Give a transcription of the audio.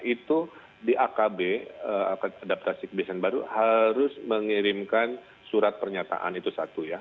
itu di akb adaptasi kebiasaan baru harus mengirimkan surat pernyataan itu satu ya